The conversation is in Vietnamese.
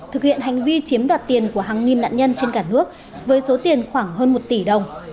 thực hiện hành vi chiếm đoạt tiền của hàng nghìn nạn nhân trên cả nước với số tiền khoảng hơn một tỷ đồng